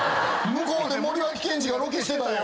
向こうで森脇健児がロケしてたよ。